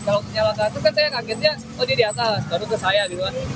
kalau penyalakan itu kan saya kagetnya oh dia di atas baru ke saya gitu